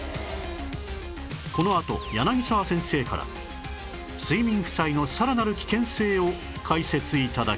このあと柳沢先生から睡眠負債のさらなる危険性を解説頂きます